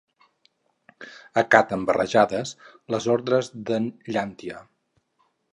Acaten, barrejades, les ordres d'en Llàntia.